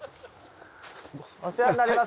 お世話になります。